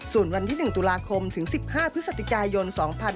ส่วนวันที่๑ตุลาคมถึง๑๕พฤศจิกายน๒๕๖๒